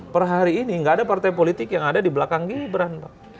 perhari ini nggak ada partai politik yang ada di belakang gibran